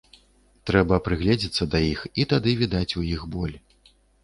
Трэба прыгледзіцца да іх, і тады відаць у іх боль.